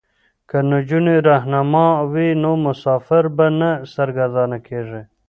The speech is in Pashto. که نجونې رهنما وي نو مسافر به نه سرګردانه کیږي.